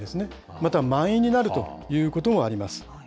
または満員になるということもあります。